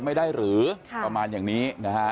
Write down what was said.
ไม่ได้หรือประมาณอย่างนี้นะฮะ